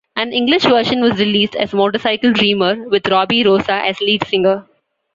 An English version was released as "Motorcycle Dreamer", with Robby Rosa as lead singer.